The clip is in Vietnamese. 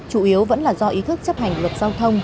chủ yếu vẫn là do ý thức chấp hành luật giao thông